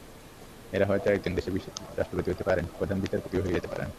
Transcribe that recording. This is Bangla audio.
এরা হয়তো একদিন দেশের রাষ্ট্রপতি হতে পারেন, প্রধান বিচারপতিও হয়ে যেতে পারেন।